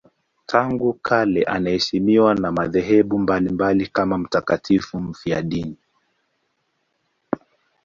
Tangu kale anaheshimiwa na madhehebu mbalimbali kama mtakatifu mfiadini.